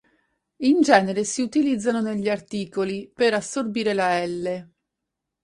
In genere si utilizzano negli articoli, per assorbire la "l".